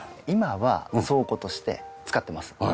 今は倉庫として使ってます。